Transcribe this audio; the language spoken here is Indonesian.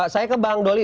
saya ke bang doli